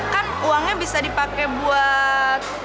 kan uangnya bisa dipakai buat